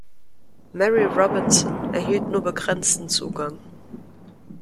Mary Robinson erhielt nur begrenzten Zugang.